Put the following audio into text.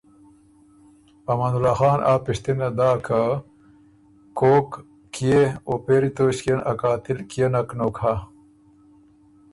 امان الله خان آ پِشتِنه داک که ”کوک، کيې او پېری توݭکيې ن ا قاتل کيې نک نوک هۀ؟“